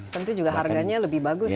tentu juga harganya lebih bagus ya